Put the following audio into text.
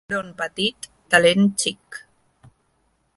Front petit, talent xic.